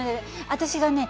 私がね